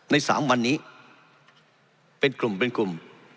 ใน๓วันนี้เป็นกลุ่มเป็นกลุ่ม